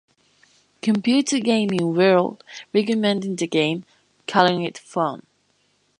"Computer Gaming World" recommended the game, calling it fun.